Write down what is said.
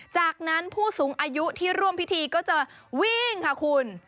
จากนั้นผู้สูงอายุที่ร่วมพิธีก็จะวิ่งค่ะคุณ